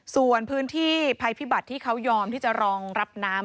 ส่วนพื้นที่ภัยพิบัติที่เขายอมที่จะรองรับน้ำ